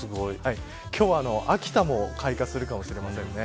今日は秋田も開花するかもしれませんね。